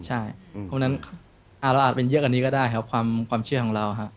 เพราะฉะนั้นเราอาจเป็นเยอะกว่านี้ก็ได้ครับความเชื่อของเราครับ